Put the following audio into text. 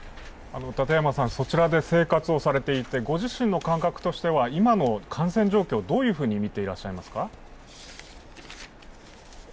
そちらで生活をされていてご自身の感覚としては今の感染状況、どういうふうに見ていらっしゃいますか？